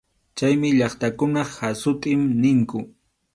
Chaymi llaqtakunap hasut’in niqku.